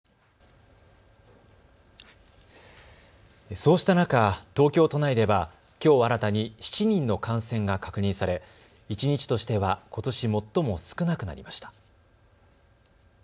そうした中、東京都内ではきょう新たに７人の感染が確認され一日としてはことし最も少なくなりました。